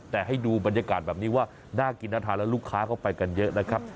แต่ให้ดูบรรยากาศแบบนี้ว่าน่ากินน่าทานแล้วลูกค้าเข้าไปกันเยอะนะครับ